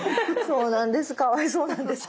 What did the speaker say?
そうなんです。